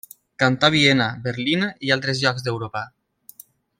Cantà a Viena, Berlín i altres llocs d'Europa.